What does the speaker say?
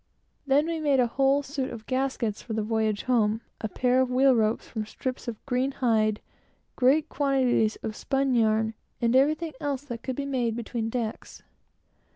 Then we made a whole suit of gaskets for the voyage home, a pair of wheel ropes from strips of green hide, great quantities of spun yarn, and everything else that could be made between decks.